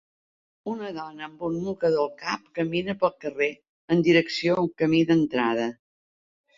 Una dona amb un mocador al cap camina pel carrer en direcció a un camí d'entrada.